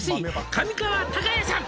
「上川隆也さん